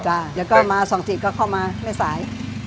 เดี๋ยวก็มา๒๗ก็เข้ามาแม่สาย